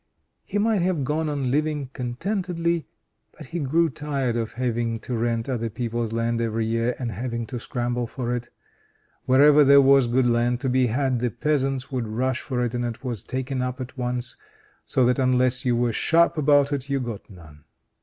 He might have gone on living contentedly, but he grew tired of having to rent other people's land every year, and having to scramble for it. Wherever there was good land to be had, the peasants would rush for it and it was taken up at once, so that unless you were sharp about it you got none.